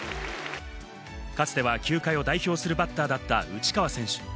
かつては球界を代表するバッターだった内川選手。